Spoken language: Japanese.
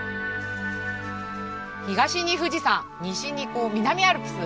東に富士山西に南アルプス。